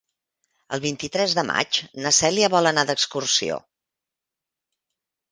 El vint-i-tres de maig na Cèlia vol anar d'excursió.